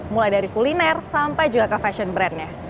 mulai dari kuliner sampai juga ke fashion brandnya